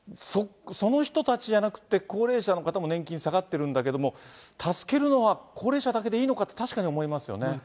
その人たちじゃなくて、高齢者の方も年金下がってるんだけど、助けるのは高齢者だけでいいのかって、確かに思いますよね。